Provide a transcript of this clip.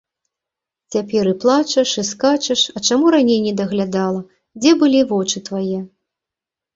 Цяпер і плачаш, і скачаш, а чаму раней не даглядала, дзе былі вочы твае?